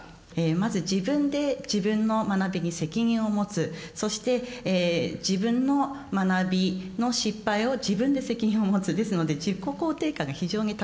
まず自分で自分の学びに責任を持つそして自分の学びの失敗を自分で責任を持つですので自己肯定感が非常に高くなっていく。